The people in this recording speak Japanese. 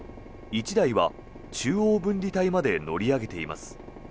１台は中央分離帯まで乗り上げています。